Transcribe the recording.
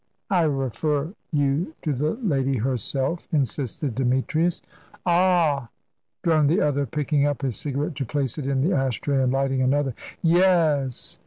"I refer you to the lady herself," insisted Demetrius. "A a a h!" droned the other, picking up his cigarette to place it in the ash tray, and lighting another; "y e s!"